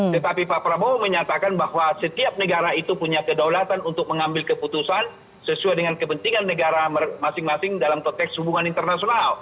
tetapi pak prabowo menyatakan bahwa setiap negara itu punya kedaulatan untuk mengambil keputusan sesuai dengan kepentingan negara masing masing dalam konteks hubungan internasional